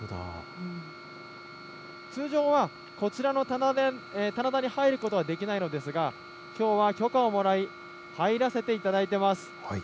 通常はこちらの棚田に入ることはできないのですがきょうは許可をもらい入らせていただいています。